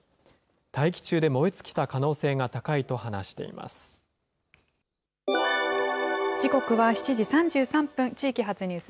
大気中で燃え尽きた可能性が高い時刻は７時３３分、地域発ニ